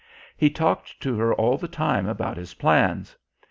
He talked to her all the time about his plans.